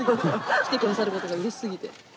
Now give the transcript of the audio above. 来てくださる事がうれしすぎて。